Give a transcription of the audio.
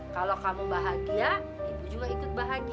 kalau kamu bahagia ibu juga ikut bahagia